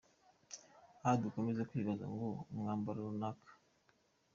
Aha dukomeze kwibaza ngo umwambaro runaka.